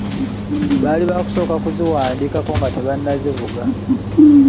Baali bakusooka kuziwandiikako nga tebanazivuga.